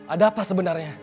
ada apa sebenarnya